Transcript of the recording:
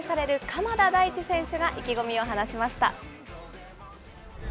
鎌田大地選手が意気込みを話しました。